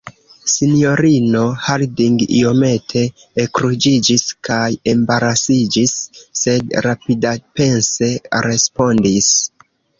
Sinjorino Harding iomete ekruĝiĝis kaj embarasiĝis, sed rapidapense respondis: